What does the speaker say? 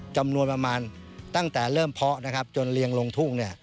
จำนวนประมาณตั้งแต่เริ่มเพาะนะครับจนเรียงลงทุ่ง